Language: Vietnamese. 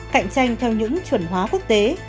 cạnh tranh theo những chuẩn hóa quốc tế